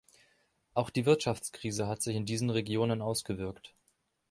Auch die Wirtschaftskrise hat sich in diesen Regionen ausgewirkt.